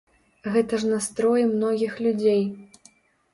Гэта ж настроі многіх людзей.